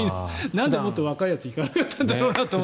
なんでもっと若いやつが行かなかったんだろうなって。